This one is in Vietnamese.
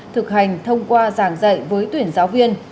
thực hành thông qua giảng dạy với tuyển giáo viên